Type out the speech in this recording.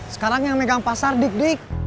sekarang yang megang pasar dik dik